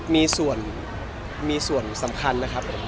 มีส่วนมีส่วนสำคัญนะครับ